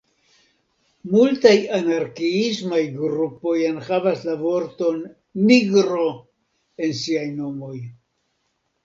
Multaj anarkiismaj grupoj enhavas la vorton "nigro" en siaj nomoj.